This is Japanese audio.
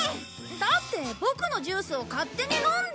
だってボクのジュースを勝手に飲んで。